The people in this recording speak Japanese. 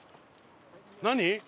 何？